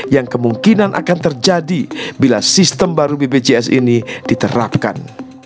yang kemungkinan akan terjadi bila sistem baru bpjs ini diterapkan